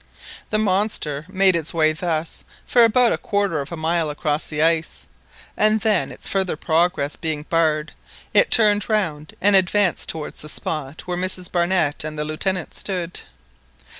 The monster made its way thus for about a quarter of a mile across the ice, and then, its farther progress being barred, it turned round and advanced towards the spot where Mrs Barnett and the Lieutenant stood.